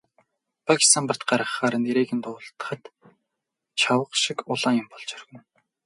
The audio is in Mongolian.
Багш самбарт гаргахаар нэрийг нь дуудахад л чавга шиг улаан юм болж орхино.